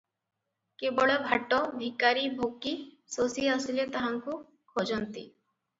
କେବଳ ଭାଟ, ଭିକାରୀ, ଭୋକୀ, ଶୋଷୀ ଆସିଲେ ତାହାଙ୍କୁ ଖୋଜନ୍ତି ।